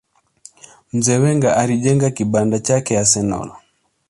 mzee Wenger alijenga kibanda chake arsenal